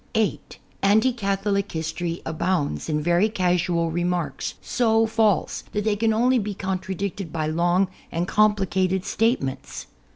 . (8) Anti Catholic history abounds in very casual re marks so false that they can only be contradicted by long and complicated statements.